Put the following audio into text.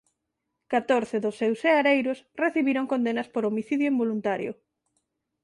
Catorce dos seus seareiros recibiron condenas por homicidio involuntario.